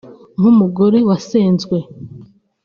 nk’umugore wasenzwe